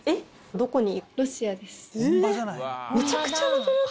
どこに。